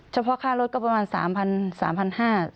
เฉพาะค่ารถก็ประมาณสามพันสามพันห้า